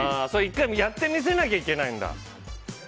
１回やってみせなきゃいけないんだ。